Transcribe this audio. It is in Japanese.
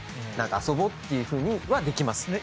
何か遊ぼうっていうふうにはできます。